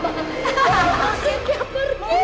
masih dia pergi